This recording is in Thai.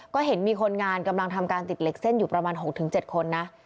ก็เห็นมีคนงานกำลังทำการติดเหล็กเส้นอยู่ประมาณ๖๗คนนะ